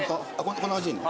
こんな感じでいいの？